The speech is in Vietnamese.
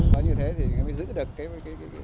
đó như thế thì mới giữ được